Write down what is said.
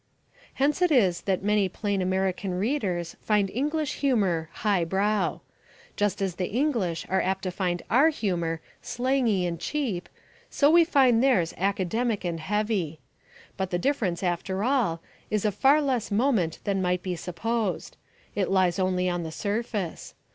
Hence it is that many plain American readers find English humour "highbrow." Just as the English are apt to find our humour "slangy" and "cheap," so we find theirs academic and heavy. But the difference, after all, is of far less moment than might be supposed. It lies only on the surface.